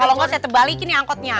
kalau nggak saya terbalikin nih angkotnya